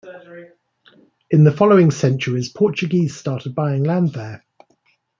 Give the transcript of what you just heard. In the following centuries, Portuguese started buying land there.